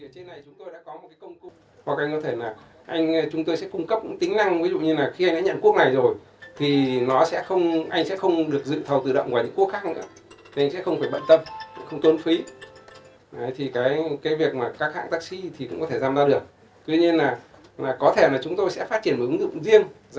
tuy nhiên là có thể là chúng tôi sẽ phát triển một ứng dụng riêng dành riêng cho taxi để nó tốt hơn